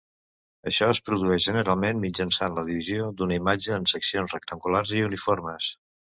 Això es produeix generalment mitjançant la divisió d'una imatge en seccions rectangulars i uniformes.